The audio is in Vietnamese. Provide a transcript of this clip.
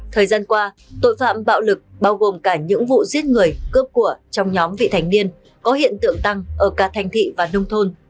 thời gian qua tội phạm bạo lực bao gồm cả những vụ giết người cướp của trong nhóm vị thành niên có hiện tượng tăng ở cả thành thị và nông thôn